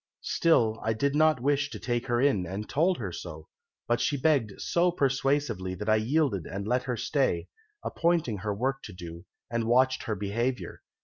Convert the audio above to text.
"'Still, I did not wish to take her in, and told her so, but she begged so persuasively that I yielded and let her stay, appointed her work to do, and watched her behaviour.